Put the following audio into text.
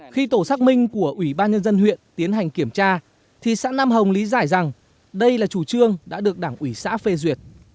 khi tổ xác minh của ủy ban nhân dân huyện tiến hành kiểm tra thì xã nam hồng lý giải rằng đây là chủ trương đã được đảng ủy xã phê duyệt